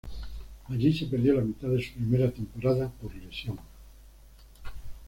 Allí se perdió la mitad de su primera temporada por lesión.